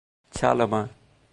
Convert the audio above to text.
吃了吗